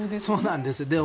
そうなんです。